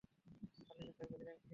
মার্কিন যুক্তরাষ্ট্রের প্রেসিডেন্ট কে?